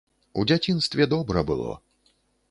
У дзяцінстве добра было.